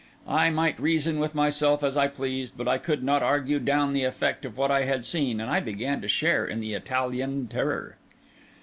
I might reason with myself as I pleased, but I could not argue down the effect of what I had seen, and I began to share in the Italian terror.